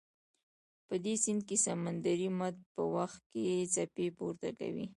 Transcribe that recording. په دې سیند کې سمندري مد په وخت کې څپې پورته کوي.